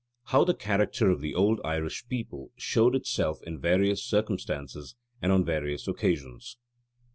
HOW THE CHARACTER OF THE OLD IRISH PEOPLE SHOWED ITSELF IN VARIOUS CIRCUMSTANCES AND ON VARIOUS OCCASIONS.